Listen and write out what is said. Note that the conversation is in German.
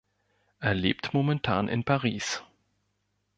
Er lebt momentan in Paris.